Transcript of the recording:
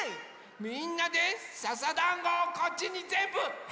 みんなでささだんごをこっちにぜんぶはこぶぞ！